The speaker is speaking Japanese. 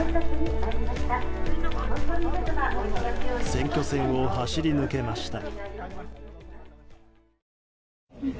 選挙戦を走り抜けました。